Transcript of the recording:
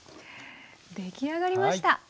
出来上がりました！